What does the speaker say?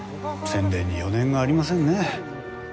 宣伝に余念がありませんね。